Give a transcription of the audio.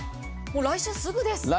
来週すぐです。